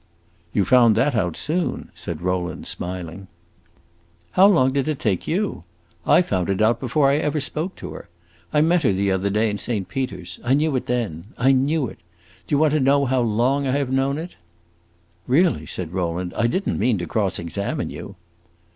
"You found that out soon!" said Rowland, smiling. "How long did it take you? I found it out before I ever spoke to her. I met her the other day in Saint Peter's; I knew it then. I knew it do you want to know how long I have known it?" "Really," said Rowland, "I did n't mean to cross examine you."